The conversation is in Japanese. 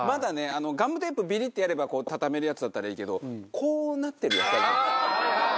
ガムテープビリッてやれば畳めるやつだったらいいけどこうなってるやつあるじゃないですか。